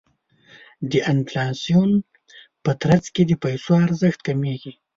د انفلاسیون په ترڅ کې د پیسو ارزښت کمیږي.